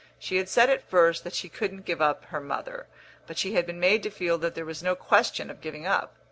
She had said at first that she couldn't give up her mother, but she had been made to feel that there was no question of giving up.